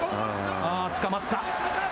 つかまった。